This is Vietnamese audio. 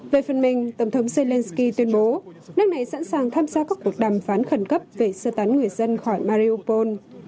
về phần mình tổng thống zelensky tuyên bố nước này sẵn sàng tham gia các cuộc đàm phán khẩn cấp về sơ tán người dân khỏi mariopol